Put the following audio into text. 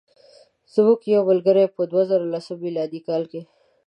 زموږ یو ملګری په دوه زره لسم میلادي کال.